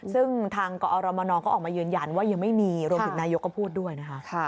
ซึ่งทางกอรมนก็ออกมายืนยันว่ายังไม่มีรวมถึงนายกก็พูดด้วยนะคะ